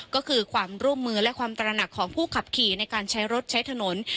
ก็คือความร่วมมือและความตระหนักของผู้ขับขี่ในการใช้รถใช้ถนน